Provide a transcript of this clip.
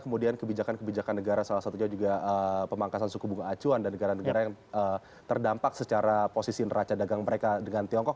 kemudian kebijakan kebijakan negara salah satunya juga pemangkasan suku bunga acuan dan negara negara yang terdampak secara posisi neraca dagang mereka dengan tiongkok